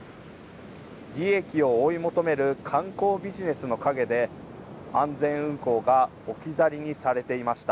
利益を追い求める観光ビジネスの陰で安全運航が置き去りにされていました。